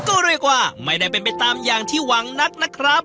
ก็เรียกว่าไม่ได้เป็นไปตามอย่างที่หวังนักนะครับ